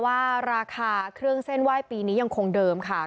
ว่าราคาเครื่องเส้นไหว้ปีนี้ยังคงเดิมค่ะ